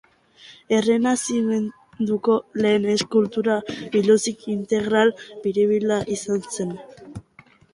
Errenazimenduko lehen eskultura biluzik integral biribila izan zen.